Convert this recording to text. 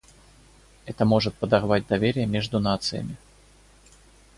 Это может подорвать доверие между нациями.